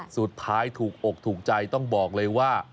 สุดท้ายถูกอกถูกใจต้องบอกเลยว่า